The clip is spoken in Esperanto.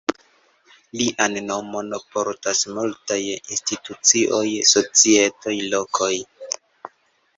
Lian nomon portas multaj institucioj, societoj, lokoj.